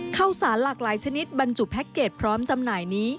ข้าวสารหลากหลายชนิดบรรจุแพ็คเกจพร้อมจำหน่ายนี้